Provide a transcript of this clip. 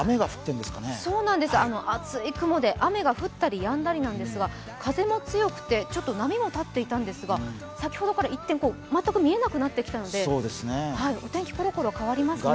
厚い雲が雨が降ったりやんだりなんですが、風も強くて、ちょっと波も立っていたんですが先ほどから一転、全く見えなくなってきたので天気コロコロ代わりますね。